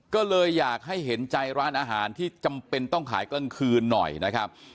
ก็เลยอยากให้เห็นใจร้านอาหารที่จำเป็นต้องขายกลางคืนหน่อยนะครับ